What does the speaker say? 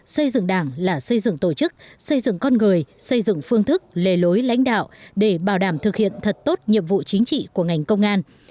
xây dựng đảng là xây dựng tổ chức xây dựng con người xây dựng phương thức lề lối lãnh đạo để bảo đảm thực hiện thật tốt nhiệm vụ chính trị của ngành công an